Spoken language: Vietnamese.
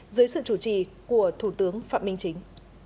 dưới sự chủ trì của thủ tướng phạm minh chính